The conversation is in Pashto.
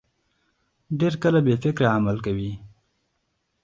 ډېر کله بې فکره عمل کوي.